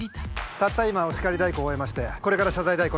たった今お叱り代行終えましてこれから謝罪代行に向かいます。